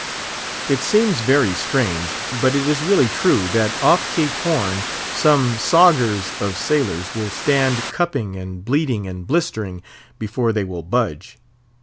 It seems very strange, but it is really true, that off Cape Horn some "sogers" of sailors will stand cupping, and bleeding, and blistering, before they will budge.